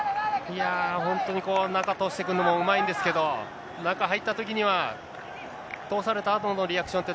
本当に中通してくるのもうまいんですけど、中入ったときには、通されたあとのリアクションって